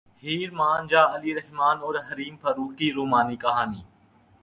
ہیر مان جا علی رحمن اور حریم فاروق کی رومانوی کہانی